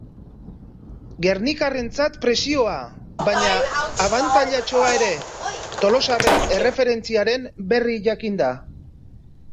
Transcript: Gernikarrentzat presioa, baina abantailatxoa ere, tolosarren erreferentziaren berri jakinda.